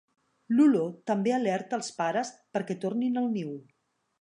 L'olor també alerta els pares perquè tornin al niu.